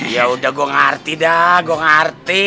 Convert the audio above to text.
ya udah gua ngerti dah gua ngerti